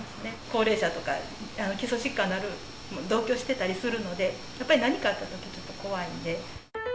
高齢者とか基礎疾患のある、同居してたりするので、やっぱり何かあったときに、ちょっと怖いんで。